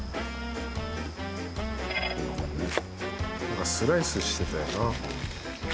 なんかスライスしてたよな。